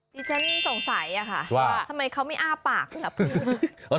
ดิฉันสงสัยอ่ะค่ะว่าทำไมเขาไม่อ้าปากหรือเปล่า